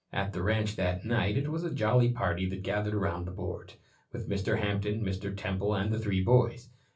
At the ranch that night it was a jolly party that gathered around the board, with Mr. Hampton, Mr. Temple and the three boys.